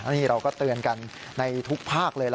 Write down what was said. นี่เราก็เตือนกันในทุกภาคเลย